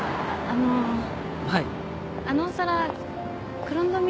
あっはい。